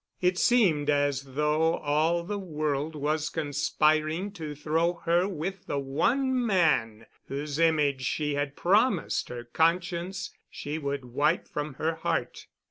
It seemed as though all the world was conspiring to throw her with the one man whose image she had promised her conscience she would wipe from her heart.